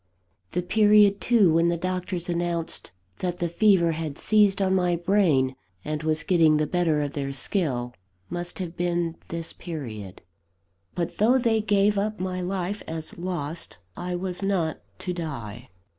The period too when the doctors announced that the fever had seized on my brain, and was getting the better of their skill, must have been this period. But though they gave up my life as lost, I was not to die.